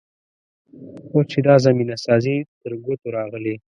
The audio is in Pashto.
اوس چې دا زمینه سازي تر ګوتو راغلې.